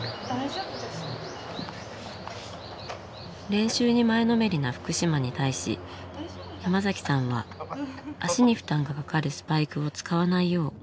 練習に前のめりな福島に対し山崎さんは足に負担がかかるスパイクを使わないよう目を光らせていた。